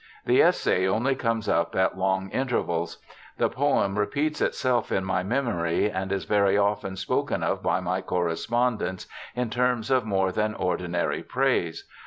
The essay only comes up at long intervals. The poem repeats itself in my memory, and is very often spoken of by my correspondents in terms of more than ordinary praise.